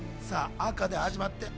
赤で始まって青